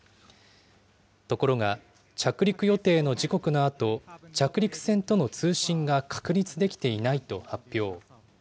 ところが、着陸予定の時刻のあと、着陸船との通信が確立できていないと発表。